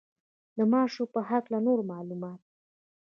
د ماشو په هکله نور معلومات.